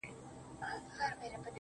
خو ستا د زلفو له هر تار سره خبرې کوي_